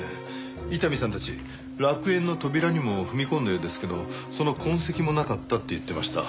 伊丹さんたち楽園の扉にも踏み込んだようですけどその痕跡もなかったって言ってました。